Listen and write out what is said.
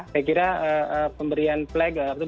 saya kira pemberian flag atau